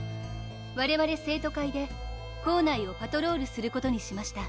われわれ生徒会で校内をパトロールすることにしました